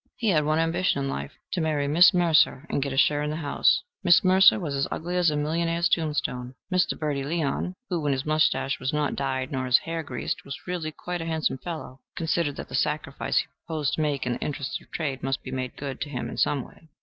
He had one ambition in life to marry Miss Mercer and get a share in the house. Miss Mercer was as ugly as a millionaire's tombstone. Mr. Bertie Leon who, when his moustache was not dyed nor his hair greased, was really quite a handsome fellow considered that the sacrifice he proposed to make in the interests of trade must be made good to him in some way.